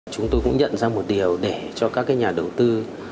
chúng tôi cũng nhận ra một điều để cho các nhà đầu tư